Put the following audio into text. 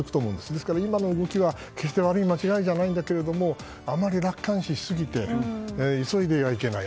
ですから今の動きは決して悪い間違いじゃないけどあまり楽観視して急いではいけない。